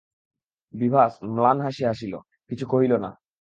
বিভা ম্লান হাসি হাসিল, কিছু কহিল না।